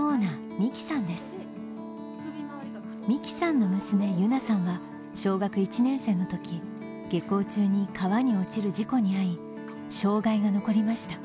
みきさんの娘ゆなさんは小学１年生のとき、下校中に川に落ちる事故に遭い障がいが残りました。